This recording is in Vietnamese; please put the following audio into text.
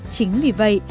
chính vì vậy